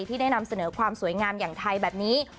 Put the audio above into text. ที่ได้นำเสนอความสวยงามอย่างไทยแบบนี้